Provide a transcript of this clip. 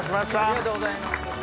ありがとうございます。